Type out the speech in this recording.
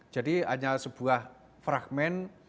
jadi hanya sebuah fragment